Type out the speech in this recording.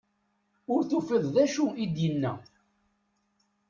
Ur tufiḍ d acu i d-yenna.